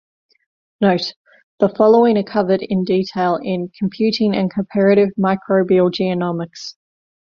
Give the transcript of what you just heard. "Note: The following are covered in detail in "Computing for Comparative Microbial Genomics".